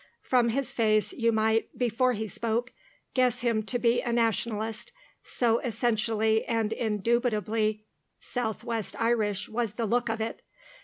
From his face you might, before he spoke, guess him to be a Nationalist, so essentially and indubitably south west Irish was the look of it.